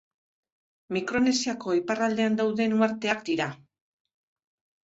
Mikronesiako iparraldean dauden uharteak dira.